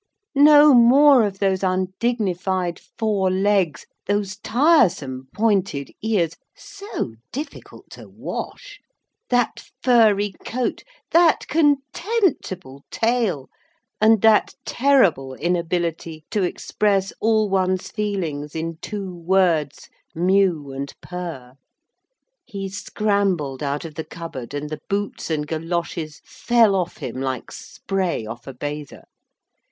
No more of those undignified four legs, those tiresome pointed ears, so difficult to wash, that furry coat, that contemptible tail, and that terrible inability to express all one's feelings in two words 'mew' and 'purr.' He scrambled out of the cupboard, and the boots and goloshes fell off him like spray off a bather.